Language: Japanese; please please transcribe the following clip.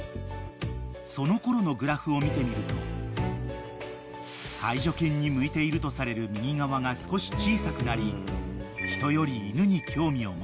［そのころのグラフを見てみると介助犬に向いているとされる右側が少し小さくなり「人より犬に興味を持つ」